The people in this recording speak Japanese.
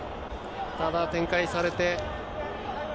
ただ、展開されて。